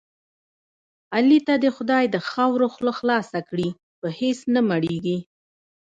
علي ته دې خدای د خاورو خوله خاصه کړي په هېڅ نه مړېږي.